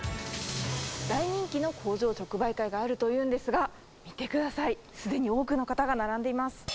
大人気の工場直売会があるというんですが、見てください、すでに多くの方が並んでいます。